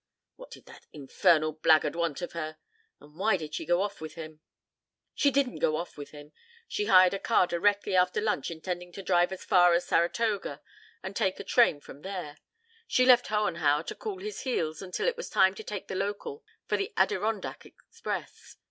"What did that infernal blackguard want of her? And why did she go off with him?" "She didn't go off with him. She hired a car directly after lunch intending to drive as far as Saratoga and take a train from there. She left Hohenhauer to cool his heels until it was time to take the local for the Adirondack Express.